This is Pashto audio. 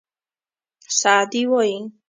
سعدي وایي.